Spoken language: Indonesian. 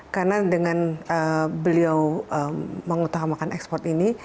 karena dengan beliau mengutamakan ekspor ini